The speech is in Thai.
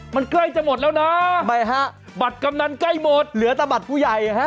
มันใกล้จะหมดแล้วนะทำไมฮะบัตรกำนันใกล้หมดเหลือแต่บัตรผู้ใหญ่ฮะ